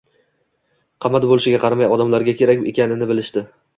Qimmat boʻlishiga qaramay odamlarga kerak ekanini bilishdi.